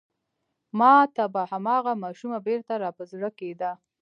ما ته به هماغه ماشومه بېرته را په زړه کېده.